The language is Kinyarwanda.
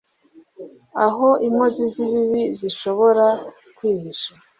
aho inkozi z’ibibi zishobora kwihisha